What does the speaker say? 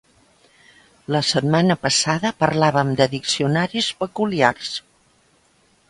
La setmana passada parlàvem de diccionaris peculiars.